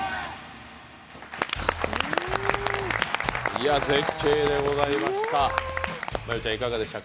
いや、絶景でございました。